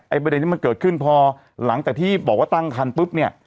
ประเด็นที่มันเกิดขึ้นพอหลังจากที่บอกว่าตั้งคันปุ๊บเนี่ย